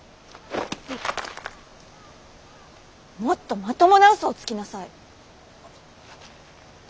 もっとまともな嘘をつきなさい！